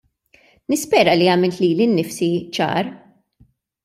Nispera li għamilt lili nnifsi ċar.